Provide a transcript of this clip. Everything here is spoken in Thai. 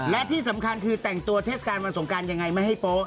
และที่สำคัญคือแต่งตัวเทศกาลวันสงการยังไงไม่ให้โป๊